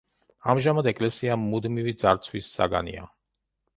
ამჟამად ეკლესია მუდმივი ძარცვის საგანია.